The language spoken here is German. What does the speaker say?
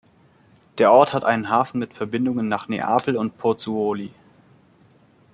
Der Ort hat einen Hafen mit Verbindungen nach Neapel und Pozzuoli.